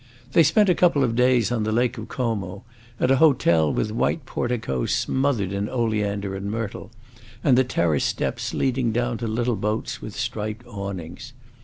They spent a couple of days on the Lake of Como, at a hotel with white porticoes smothered in oleander and myrtle, and the terrace steps leading down to little boats with striped awnings.